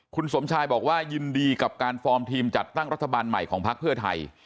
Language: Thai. คุณสมชายบอกว่ายินดีกับการฟอร์มทีมจัดตั้งรัฐบาลใหม่ของพักเพื่อไทย